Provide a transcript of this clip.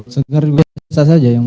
segar biasa saja